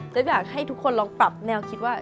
ก็อยากให้ทุกคนลองปรับแนวคิดว่า